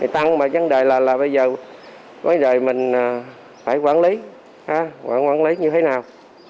tăng mà vấn đề là bây giờ mình phải quản lý quản lý như thế nào